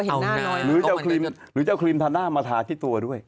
หรือจะเอาครีมทาหน้ามาทาที่ตัวด้วย